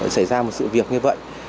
xảy ra một sự việc như vậy